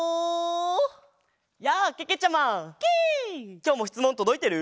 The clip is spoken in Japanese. きょうもしつもんとどいてる？